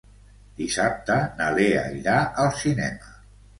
Dissabte na Lea irà al cinema.